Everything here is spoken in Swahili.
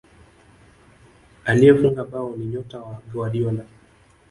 aliyefunga bao ni nyota wa guardiola